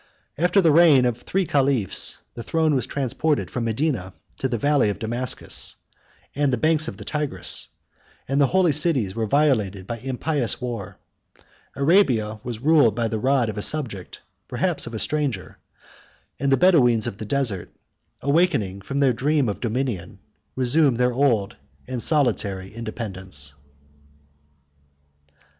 After the reign of three caliphs, the throne was transported from Medina to the valley of Damascus and the banks of the Tigris; the holy cities were violated by impious war; Arabia was ruled by the rod of a subject, perhaps of a stranger; and the Bedoweens of the desert, awakening from their dream of dominion, resumed their old and solitary independence.